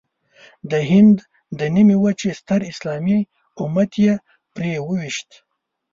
د هند د نیمې وچې ستر اسلامي امت یې پرې وويشت.